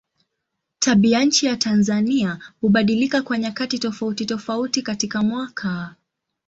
Tabianchi ya Tanzania hubadilika kwa nyakati tofautitofauti katika mwaka.